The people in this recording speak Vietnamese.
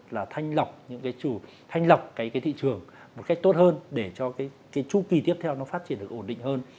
là thanh lọc thị trường một cách tốt hơn để cho chu kỳ tiếp theo phát triển được ổn định hơn